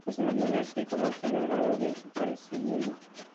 Las imágenes del artículo muestran la helada desapareciendo.